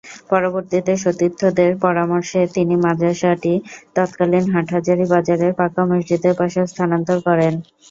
পরবর্তীতে সতীর্থদের পরামর্শে তিনি মাদ্রাসাটি তৎকালীন হাটহাজারী বাজারের পাঁকা মসজিদের পাশে স্থানান্তর করেন।